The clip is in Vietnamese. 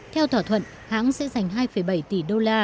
theo thỏa thuận hãng sẽ giành hai bảy tỷ usd